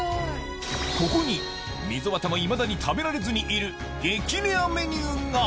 ここに溝端もいまだに食べられずにいる激レアメニューが！